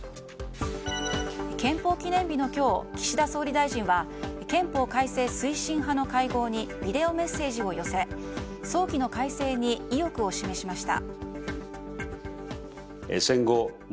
憲法記念日の今日、岸田総理は憲法改正推進派の会合にビデオメッセージを寄せ早期の改正に意欲を示しました。